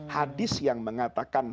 hadis yang mengatakan